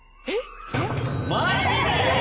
マジで！？